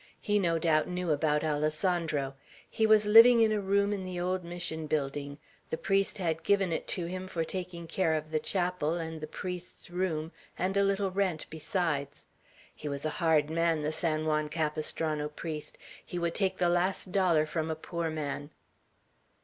He no doubt knew about Alessandro. He was living in a room in the old Mission building. The priest had given it to him for taking care of the chapel and the priest's room, and a little rent besides. He was a hard man, the San Juan Capistrano priest; he would take the last dollar from a poor man."